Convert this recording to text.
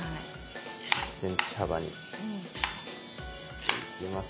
１ｃｍ幅に切ります。